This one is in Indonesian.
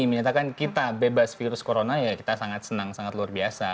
menyatakan kita bebas virus corona ya kita sangat senang sangat luar biasa